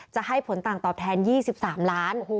จะให้ผลต่างตอบแทน๒๓ล้าน